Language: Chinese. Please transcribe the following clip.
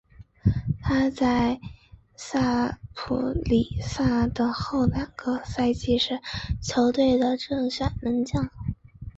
他在萨普里萨的后两个赛季是球队的正选门将。